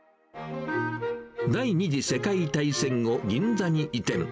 第２次世界大戦後、銀座に移転。